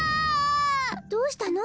どうしたの？